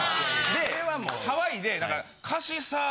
でハワイで。